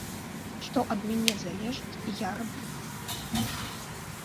Што ад мяне залежыць, я раблю.